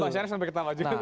bang syarif sampai ketawa juga